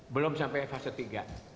belum sampai fase ketiga